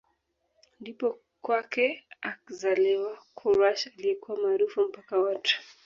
Ndipo kwake akzaliwa Quraysh aliyekuwa maarufu mpaka watu